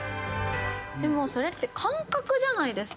それって感覚じゃないですか。